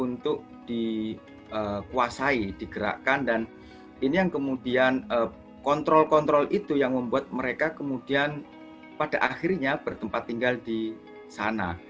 untuk dikuasai digerakkan dan ini yang kemudian kontrol kontrol itu yang membuat mereka kemudian pada akhirnya bertempat tinggal di sana